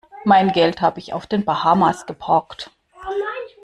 Mein Geld habe ich auf den Bahamas geparkt.